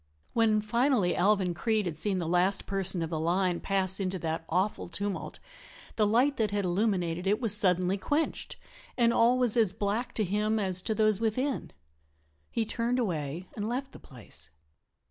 When, finally, Alvan Creede had seen the last person of the line pass into that awful tumult the light that had illuminated it was suddenly quenched and all was as black to him as to those within. He turned away and left the place.